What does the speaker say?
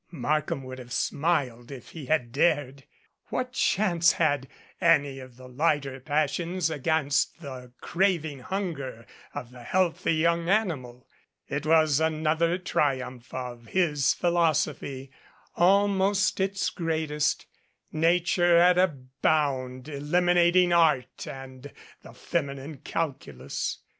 Markham would have smiled if he had dared! What chance had any of the lighter passions against the crav ing hunger of the healthy young animal? It was another GREAT PAN IS DEAD triumph of his philosophy, almost its greatest Nature at a bound eliminating art and the feminine calculus.